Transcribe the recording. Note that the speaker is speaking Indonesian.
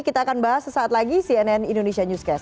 kita akan bahas sesaat lagi cnn indonesia newscast